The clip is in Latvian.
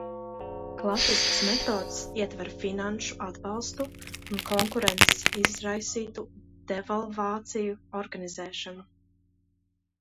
Klasiskas metodes ietver finanšu atbalstu un konkurences izraisītu devalvāciju organizēšanu.